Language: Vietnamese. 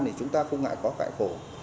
thì chúng ta không ngại có cãi khổ